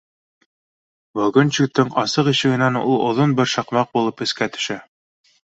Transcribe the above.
Вагончиктың асыҡ ишегенән ул оҙон бер шаҡмаҡ булып эскә төшә